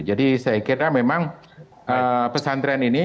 jadi saya kira memang pesantren ini